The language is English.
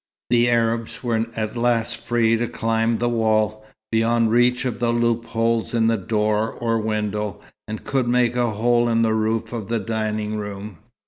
The Arabs were at last free to climb the wall, beyond reach of the loopholes in door or window, and could make a hole in the roof of the dining room.